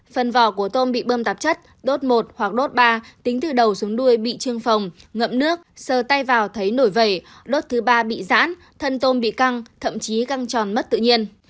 phần vỏ của tôm bị bơm tạp chất đốt một hoặc đốt ba tính từ đầu xuống đuôi bị trương phòng ngậm nước sờ tay vào thấy nổi vẩy đốt thứ ba bị giãn thân tôm bị căng thậm chí găng tròn mất tự nhiên